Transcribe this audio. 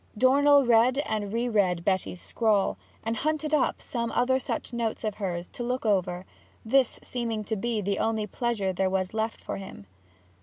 Dornell read and re read Betty's scrawl, and hunted up some other such notes of hers to look over, this seeming to be the only pleasure there was left for him.